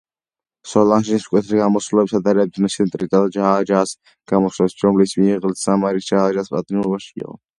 სოლანჟის მკვეთრ გამოსვლებს ადარებდნენ სერტრიდა ჯააჯაას გამოსვლებს, რომლის მეუღლეც სამირ ჯააჯააც პატიმრობაში იყო.